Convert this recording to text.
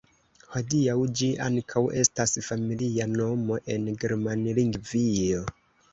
Hodiaŭ ĝi ankaŭ estas familia nomo en Germanlingvio.